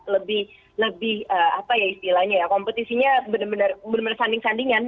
lebih lebih apa ya istilahnya ya kompetisinya benar benar sanding sandingan